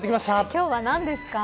今日は何ですか。